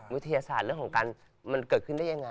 วิทยาศาสตร์เรื่องของการมันเกิดขึ้นได้ยังไง